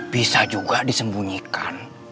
bisa juga disembunyikan